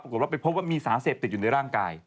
ปรากฏว่าไปพบว่ามีสารเสพติดอยู่ในร่างกาย